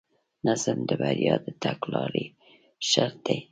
نظم د بریا د تګلارې شرط دی.